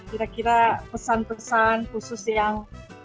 kira kira pesan pesan khusus yang